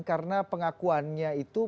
karena pengakuannya itu